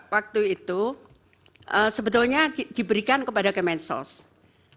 waktu itu sebetulnya diberikan kepada kementerian sosial bapak